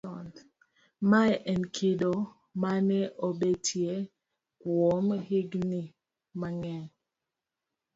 mae en kido mane obetie kuom higni mang'eny